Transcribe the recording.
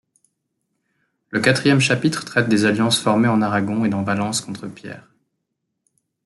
Le quatrième chapitre traite des alliances formées en Aragon et dans Valence contre Pierre.